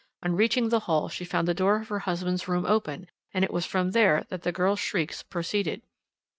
On reaching the hall she found the door of her husband's room open, and it was from there that the girl's shrieks proceeded.